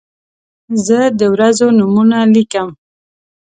زه د ورځو نومونه لیکم.